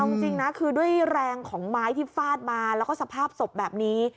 เอาจริงนะคือด้วยแรงของไม้ที่ฟาดมาแล้วก็สภาพศพแบบนี้